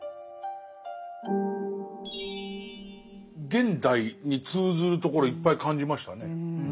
現代に通ずるところいっぱい感じましたね。